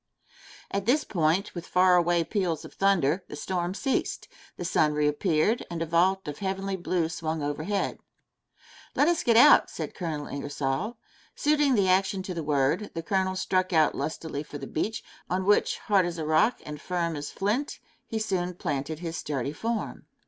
*[* At this point, with far away peals of thunder, the storm ceased, the sun reappeared and a vault of heavenly blue swung overhead. "Let us get out," said Colonel Ingersoll. Suiting the action to the word, the Colonel struck out lustily for the beach, on which, hard as a rock and firm as flint, he soon planted his sturdy form.